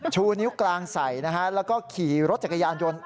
ชูนิ้วกลางใส่นะฮะแล้วก็ขี่รถจักรยานยนต์